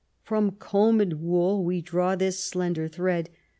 From combed wool we draw this slender thread.